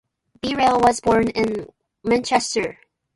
Birrell was born in Wythenshawe, Manchester, Cheshire.